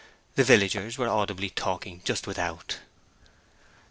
The villagers were audibly talking just without.